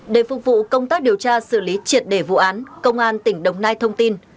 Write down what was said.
để phục vụ công tác điều tra xử lý triệt đề vụ án công an tỉnh đồng nai thông tin